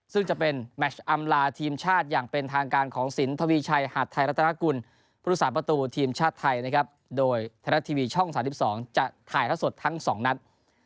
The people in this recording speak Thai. ซึ่งจะเป็นแมชอำลาทีมชาติอย่างเป็นทางการของสินทวีชัยหาดไทยรัฐนากุลผู้สาประตูทีมชาติไทยนะครับโดยไทยรัฐทีวีช่อง๓๒จะถ่ายเท่าสดทั้ง๒นัด